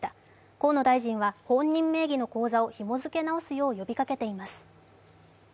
河野大臣は本人名義の口座をひも付け直すよう求めています。